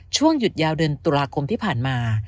พรุ่งหยุดยาวเดินตุลากรมที่ผ่านมา